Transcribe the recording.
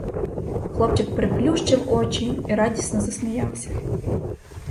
Хлопчик приплющив очі й радісно засміявся.